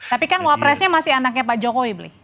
tapi kan wapresnya masih anaknya pak jokowi beli